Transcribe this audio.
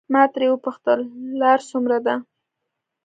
ما ترې وپوښتل لار څومره ده.